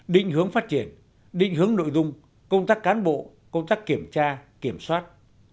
định hướng phát triển định hướng nội dung công tác cán bộ công tác kiểm tra kiểm soát